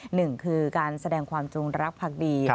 หนึ่งคือการแสดงความจงรักภักดี